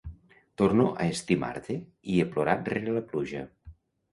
Torno a estimar-te i he plorat rere la pluja.